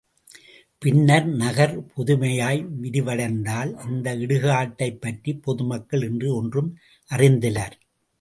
பின்னர் நகர் புதுமையாய் விரிவடைந்ததால், இந்த இடுகாட்டைப் பற்றிப் பொதுமக்கள் இன்று ஒன்றும் அறிந்திலர்.